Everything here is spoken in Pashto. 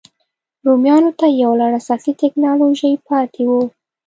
رومیانو ته یو لړ اساسي ټکنالوژۍ پاتې وو.